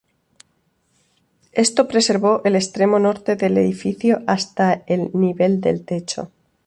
Esto preservó el extremo norte del edificio hasta el nivel del techo.